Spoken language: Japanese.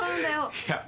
いや。